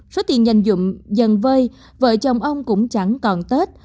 số tiền dành dụng dần vơi vợ chồng ông cũng chẳng còn tết